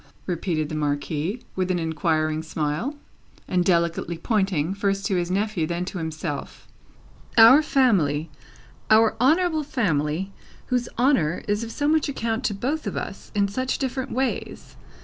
repeated the Marquis, with an inquiring smile, and delicately pointing, first to his nephew, then to himself. "Our family; our honourable family, whose honour is of so much account to both of us, in such different ways.